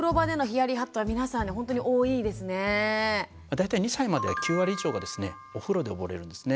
大体２歳までは９割以上がですねお風呂で溺れるんですね。